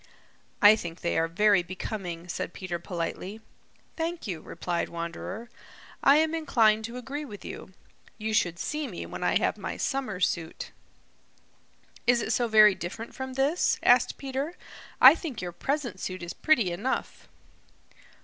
"I think they are very becoming," said Peter politely. "Thank you," replied Wanderer. "I am inclined to agree with you. You should see me when I have my summer suit." "Is it so very different from this?" asked Peter. "I think your present suit is pretty enough."